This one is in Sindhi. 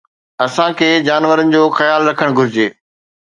اسان کي جانورن جو خيال رکڻ گهرجي